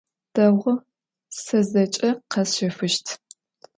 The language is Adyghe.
Değu, se zeç'e khesşefışt.